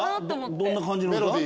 どんな感じの歌？